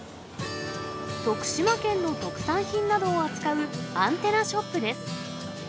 徳島県の特産品などを扱うアンテナショップです。